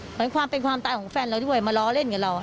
เหมือนความเป็นความตายของแฟนเราด้วยมาล้อเล่นกับเรา